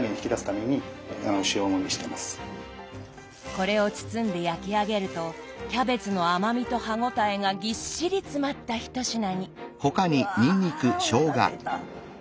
これを包んで焼き上げるとキャベツの甘みと歯応えがぎっしり詰まった一品に。うわおなかすいた。